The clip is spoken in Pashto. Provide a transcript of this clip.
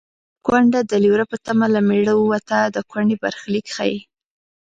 کونډه د لېوره په تمه له مېړه ووته د کونډې برخلیک ښيي